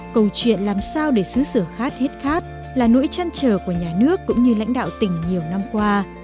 câu chuyện làm sao để xứ sở khát hết khát là nỗi chăn trở của nhà nước cũng như lãnh đạo tỉnh nhiều năm qua